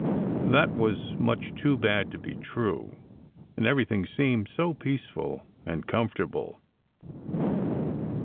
That was much too bad to be true, and everything seemed so peaceful and com fortable.